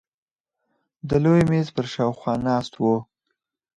د لوی مېز پر شاوخوا ناست وو.